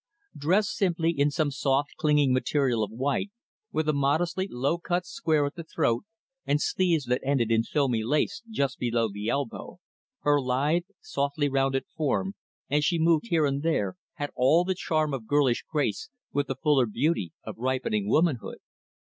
Dressed simply, in some soft clinging material of white, with a modestly low cut square at the throat, and sleeves that ended in filmy lace just below the elbow her lithe, softly rounded form, as she moved here and there, had all the charm of girlish grace with the fuller beauty of ripening womanhood.